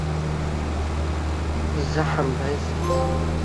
Дзаҳамбазеи?